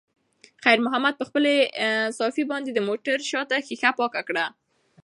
خیر محمد په خپلې صافې باندې د موټر شاته ښیښه پاکه کړه.